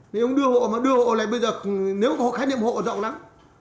nếu không đưa hộ đưa hộ lại bây giờ nếu có khái niệm hộ rộng lắm